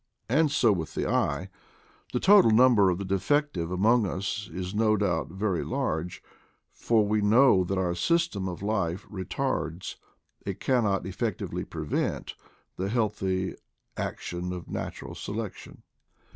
And so with the eye. The total number of the defective among us is no doubt very large, for we know that our system of life retards — it cannot effectually prevent — the healthy ac tion of natural selection.